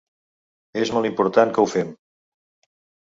És molt important que ho fem.